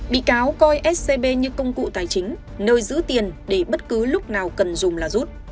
bị cáo coi scb như công cụ tài chính nơi giữ tiền để bất cứ lúc nào cần dùng là rút